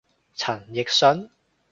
陳奕迅？